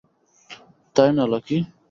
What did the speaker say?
তাই না, লাকি?